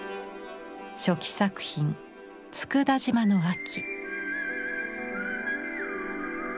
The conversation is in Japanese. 初期作品「佃島の秋」。